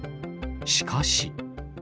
しかし。